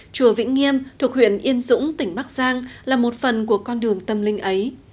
chùa vĩnh nghiêm thuộc huyện yên dũng tỉnh bắc giang là một phần của con đường tâm linh ấy